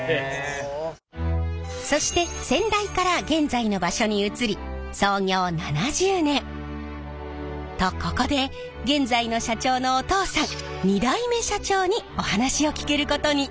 そして先代から現在の場所に移り創業７０年。とここで現在の社長のお父さん２代目社長にお話を聞けることに。